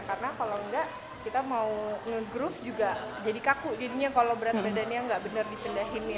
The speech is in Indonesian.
karena kalau enggak kita mau nge groove juga jadi kaku jadinya kalau berat badannya nggak bener dipindahinnya